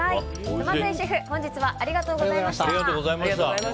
鯰江シェフ、本日はありがとうございました。